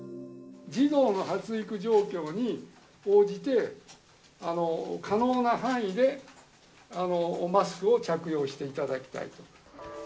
児童の発育状況に応じて、可能な範囲でマスクを着用していただきたいと。